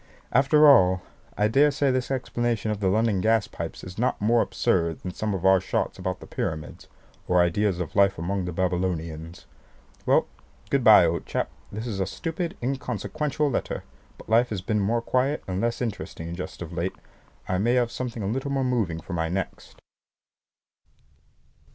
After all, I daresay this explanation of the London gas pipes is not more absurd than some of our shots about the Pyramids, or ideas of life among the Babylonians. Well, good bye, old chap; this is a stupid inconsequential letter, but life has been more quiet and less interesting just of late. I may have something a little more moving for my next.